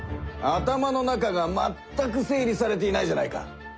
頭の中がまったく整理されていないじゃないか。